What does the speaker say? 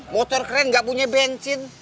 motor keren nggak punya bensin